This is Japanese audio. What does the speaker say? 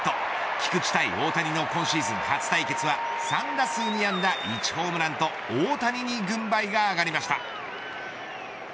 菊池対大谷の今シーズン初対決は３打数２安打１ホームランと大谷に軍配が上がりました。